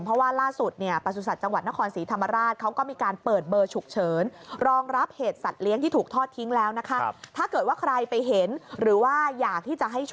เพราะว่าล่าสุดเนี่ยประสุนสัตว์จังหวัดนครศรีธรรมราช